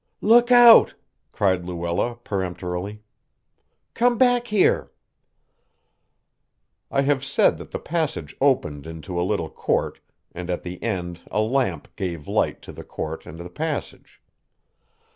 "Look out!" cried Luella peremptorily. "Come back here!" I have said that the passage opened into a little court, and at the end a lamp gave light to the court and the passage.